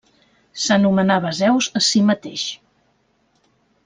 S'anomenava Zeus a si mateix.